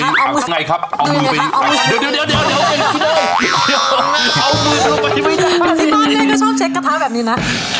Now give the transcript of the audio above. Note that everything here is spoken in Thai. น้องเนยก็ชอบเช็คกระทะแบบนี้นะ